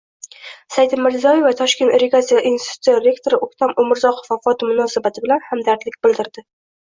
Saida Mirziyoyeva Toshkent irrigatsiya instituti rektori O‘ktam Umurzoqov vafoti munosabati bilan hamdardlik bildirdi